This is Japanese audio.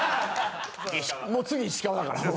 もう次石川だから。